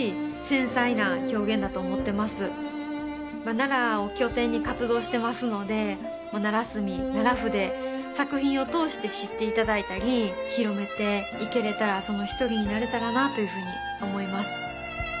奈良を拠点に活動してますので奈良墨奈良筆作品を通して知っていただいたり広めていけれたらその一人になれたらなというふうに思います